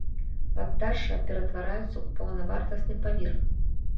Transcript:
Паддашша ператвараецца ў паўнавартасны паверх.